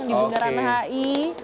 di bundaran h i